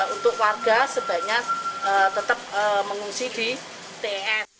untuk warga sebaiknya tetap mengungsi di ten